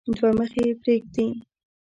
دوه مخي پريږدي.